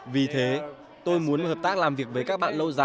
vì thế tôi muốn hợp tác làm việc với các nghệ sĩ của nhà hát nhạc vũ kịch việt nam